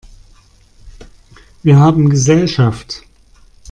Wir haben Gesellschaft!